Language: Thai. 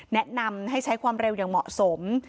แนะนำให้ใช้ความเร็วอย่างเหมาะสม